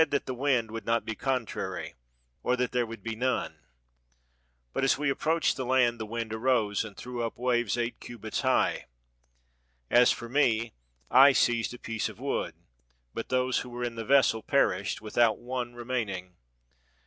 41 EGYPT that the wind would not be contrary, or that there would be none. But as we approached the land, the wind arose, and threw up waves eight cubits high. As for me, I seized a piece of wood ; but those who were in the ves sel perished, without one remaining.